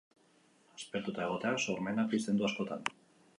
Aspertuta egoteak sormena pizten du askotan.